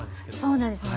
そうなんですよ。